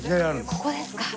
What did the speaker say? ここですか？